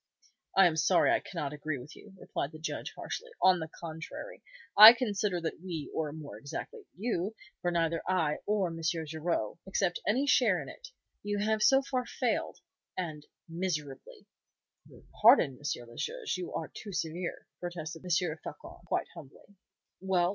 "I am sorry I cannot agree with you," replied the Judge, harshly. "On the contrary, I consider that we or more exactly you, for neither I nor M. Garraud accept any share in it you have so far failed, and miserably." "Your pardon, M. le Juge, you are too severe," protested M. Floçon, quite humbly. "Well!